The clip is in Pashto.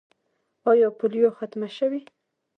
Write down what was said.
آیا پولیو ختمه شوې؟